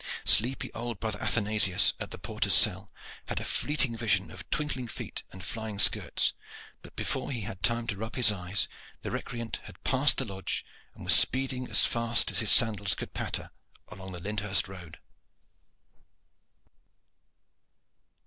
Sleepy old brother Athanasius, at the porter's cell, had a fleeting vision of twinkling feet and flying skirts; but before he had time to rub his eyes the recreant had passed the lodge, and was speeding as fast as his sandals could patter along the Lyndhurst Road.